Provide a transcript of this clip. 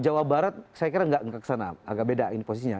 jawa barat saya kira tidak dekat sana agak beda ini posisinya